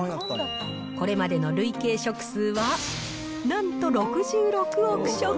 これまでの累計食数はなんと６６億食。